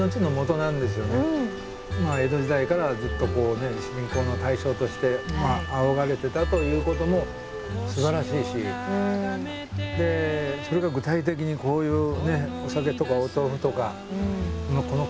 江戸時代からずっと信仰の対象として仰がれてたということもすばらしいしそれが具体的にこういうお酒とかお豆腐とかこの形で残ってるっていう。